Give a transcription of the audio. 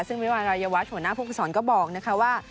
ซึ่งบริวารยวรรณ์หัวหน้าภูมิสอนก็บอกนะคะว่า